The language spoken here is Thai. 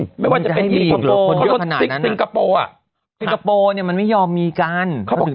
สิงคโปห์เนี่ยมันไม่ยอมมีกัน